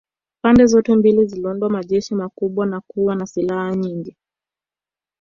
Pande zote mbili ziliunda majeshi makubwa na kuwa na silaha nyingi